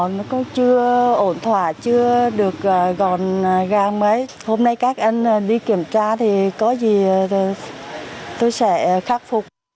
nó chưa ổn thỏa chưa được gòn ra mấy hôm nay các anh đi kiểm tra thì có gì tôi sẽ khắc phục